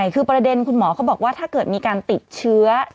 คือประเด็นคุณหมอเขาบอกว่าถ้าเกิดมีการติดเชื้อ